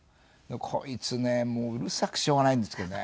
こいつねもううるさくてしょうがないんですけどね。